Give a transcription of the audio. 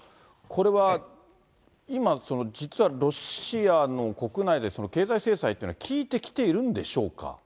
これは、今、その、実はロシアの国内で経済制裁というのは効いてきているんでしょう